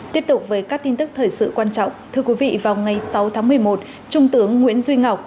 tiếp tục với các tin tức thời sự quan trọng thưa quý vị vào ngày sáu tháng một mươi một trung tướng nguyễn duy ngọc